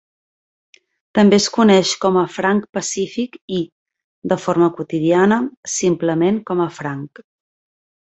També es coneix com a franc Pacífic, i, de forma quotidiana, simplement com a franc.